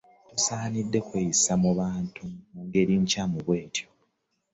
Tosaanidde kweyisiza ku bantu mu ngeri nkyamu bw'etyo.